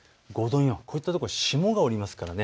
こういったところ霜が降ります。